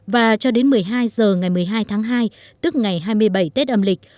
và cho đến một mươi hai h ngày một mươi hai tháng hai tức ngày hai mươi bảy tết âm lịch